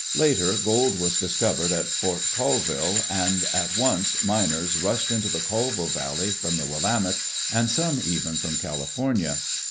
Later gold was discovered at Fort Colville, and at once miners rushed into the Colville Valley from the Willamette and some even from California.